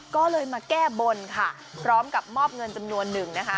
ก็เลยมาแก้บนค่ะพร้อมกับมอบเงินจำนวนหนึ่งนะคะ